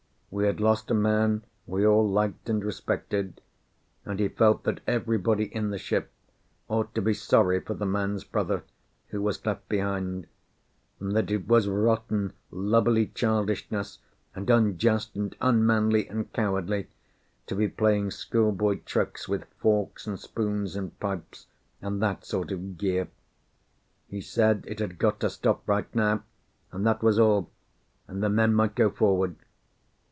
We had lost a man we all liked and respected, and he felt that everybody in the ship ought to be sorry for the man's brother, who was left behind, and that it was rotten lubberly childishness, and unjust and unmanly and cowardly, to be playing schoolboy tricks with forks and spoons and pipes, and that sort of gear. He said it had got to stop right now, and that was all, and the men might go forward.